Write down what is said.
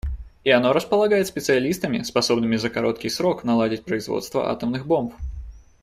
И оно располагает специалистами, способными за короткий срок наладить производство атомных бомб.